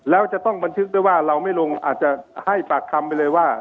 แล้วจะต้องบันทึกด้วยว่าเราไม่ลงอาจจะให้ปากคำไปเลยว่า